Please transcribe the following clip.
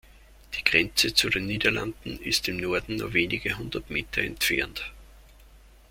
Die Grenze zu den Niederlanden ist im Norden nur wenige hundert Meter entfernt.